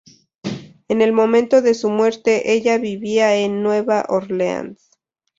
En el momento de su muerte, ella vivía en Nueva Orleans.